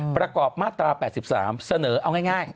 ประกอบมาตรา๘๓เสนอเอาง่าย